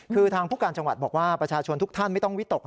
คือทางผู้การจังหวัดบอกว่าประชาชนทุกท่านไม่ต้องวิตก